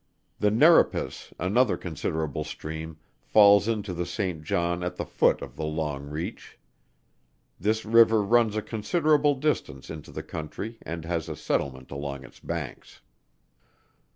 The Nerepis another considerable stream, falls into the Saint John at the foot of the Long Reach. This river runs a considerable distance into the country and has a settlement along its banks.